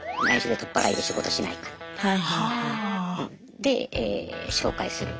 で紹介する。